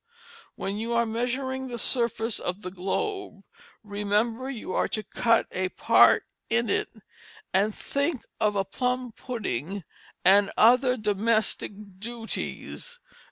When you are measuring the surface of the globe remember you are to cut a part in it, and think of a plum pudding and other domestic duties.